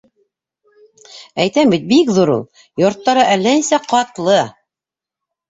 — Әйтәм бит, бик ҙур ул. Йорттары әллә нисә ҡатлы.